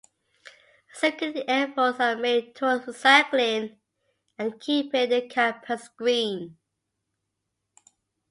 Significant efforts are made towards recycling and keeping the campus green.